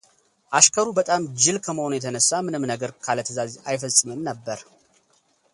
አሽከሩ በጣም ጅል ከመሆኑ የተነሳ ምንም ነገር ካለትዕዛዝ አይፈፅምም ነበር፡፡